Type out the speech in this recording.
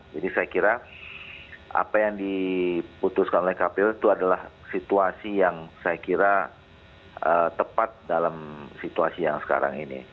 jadi saya kira apa yang diputuskan oleh kpu itu adalah situasi yang saya kira tepat dalam situasi yang sekarang ini